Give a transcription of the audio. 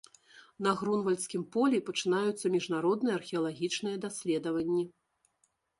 На грунвальдскім полі пачынаюцца міжнародныя археалагічныя даследаванні.